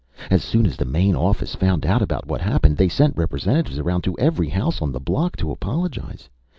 As soon as the main office found out about what happened, they sent representatives around to every house on the block to apologize.